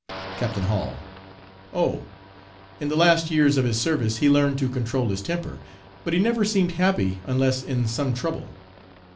"CAPTAIN HALL 'Oh! in the last years of his service he learned to control his temper, but he never seemed happy unless in some trouble.'